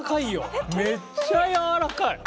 めっちゃやわらかいよ！